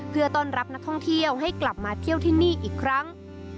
เพื่อต้อนรับนักท่องเที่ยวให้กลับมาเที่ยวที่นี่อีกครั้ง